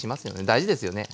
大事ですよね。